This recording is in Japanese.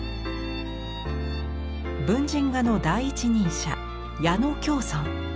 文人画の第一人者矢野橋村。